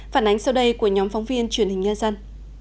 phản ánh sau đây của nhóm phóng viên truyền hình nhân dân